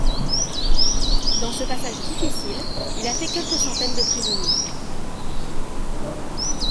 Dans ce passage difficile il a fait quelques centaines de prisonniers.